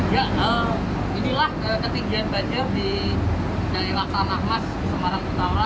ya inilah ketinggian banjir dari laksanah mas semarang utara